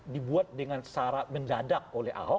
dibuat dengan cara mendadak oleh ahok